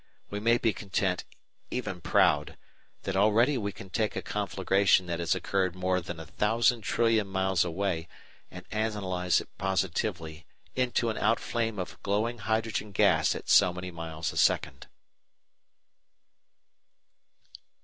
We may be content, even proud, that already we can take a conflagration that has occurred more than a thousand trillion miles away and analyse it positively into an outflame of glowing hydrogen gas at so many miles a second.